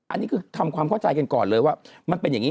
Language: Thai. อันนี้คือทำความเข้าใจกันก่อนเลยว่ามันเป็นอย่างนี้